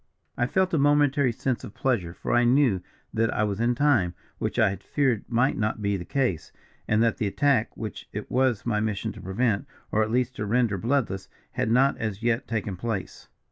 "I felt a momentary sense of pleasure, for I knew that I was in time, which I had feared might not be the case; and that the attack, which it was my mission to prevent or at least to render bloodless, had not as yet taken place.